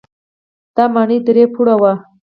دا ماڼۍ درې پوړه وه.